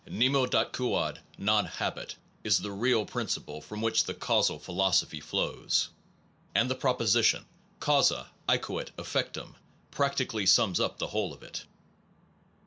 Nemo dat quod non habet is the real principle from which the causal philosophy flows; and the proposition causa cequat effectum practi cally sums up the whole of it.